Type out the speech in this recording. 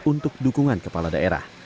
untuk dukungan kepala daerah